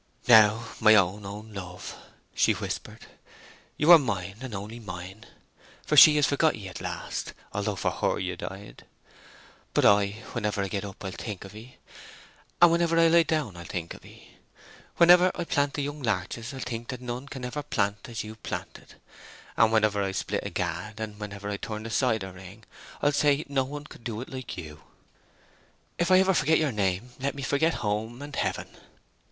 "Now, my own, own love," she whispered, "you are mine, and on'y mine; for she has forgot 'ee at last, although for her you died. But I—whenever I get up I'll think of 'ee, and whenever I lie down I'll think of 'ee. Whenever I plant the young larches I'll think that none can plant as you planted; and whenever I split a gad, and whenever I turn the cider wring, I'll say none could do it like you. If ever I forget your name, let me forget home and Heaven!